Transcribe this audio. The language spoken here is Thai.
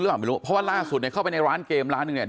ไม่รู้เพราะว่าล่าสุดเนี่ยเข้าไปในร้านเกมร้านหนึ่งเนี่ย